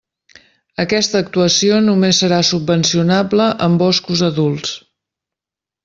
Aquesta actuació només serà subvencionable en boscos adults.